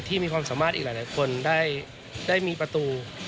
มีความสามารถอีกหลายคนได้มีประตู